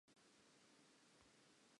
Afrika hona le dinaha tse kae?